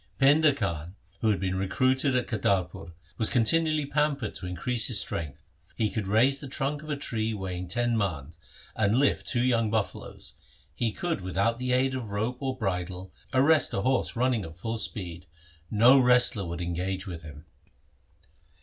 Painda Khan, who had been recruited at Kar tarpur, was continually pampered to increase his strength. He could raise the trunk of a tree weighing ten mans 1 and lift two young buffaloes. He could without the aid of rope or bridle arrest a horse running at full speed. No wrestler would engage with him.